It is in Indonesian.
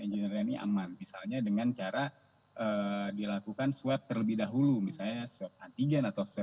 engineering aman misalnya dengan cara dilakukan sweat terlebih dahulu misalnya antigen atau